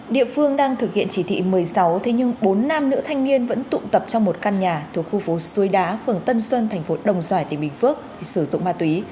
địa phương đang thực hiện chỉ thị một mươi sáu thế nhưng bốn nam nữ thanh niên vẫn tụ tập trong một căn nhà thuộc khu phố suối đá phường tân xuân thành phố đồng xoài tỉnh bình phước thì sử dụng ma túy